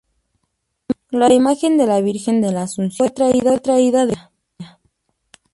La imagen de la Virgen de la Asunción fue traída de España.